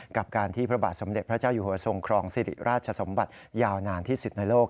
กับการที่พระบาทสมเด็จพระเจ้าอยู่หัวทรงครองสิริราชสมบัติยาวนานที่สุดในโลก